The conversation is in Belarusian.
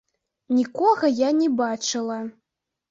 Нікога я не бачыла.